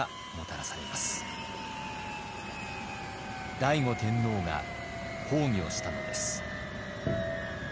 醍醐天皇が崩御したのです。